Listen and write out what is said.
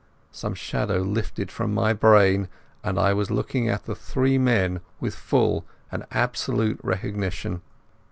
Some shadow lifted from my brain, and I was looking at the three men with full and absolute recognition.